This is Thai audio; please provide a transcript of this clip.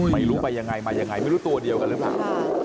ไม่รู้ไปยังไงมายังไงไม่รู้ตัวเดียวกันหรือเปล่า